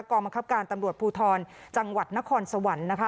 กรรมคับการตำรวจภูทรจังหวัดนครสวรรค์นะคะ